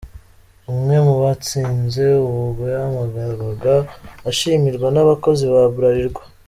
Umwe mu batsinze ubwo yahamagarwaga ashimirwa nabakozi ba Bralirwa.